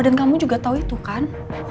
dan kamu juga tau itu kan